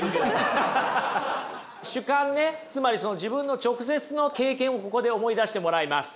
主観ねつまり自分の直接の経験をここで思い出してもらいます。